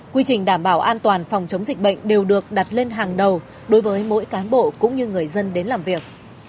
quy trình đảm bảo an toàn phòng chống dịch bệnh đều được đặt lên hàng đầu đối với mỗi cán bộ cũng như người dân đến làm việc